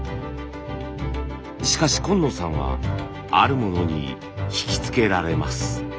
しかし今野さんはあるものに引き付けられます。